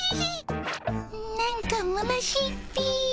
なんかむなしいっピィ。